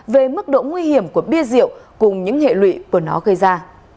về mức độ nguy hiểm của bia rượu cùng những hệ lụy của nó gây ra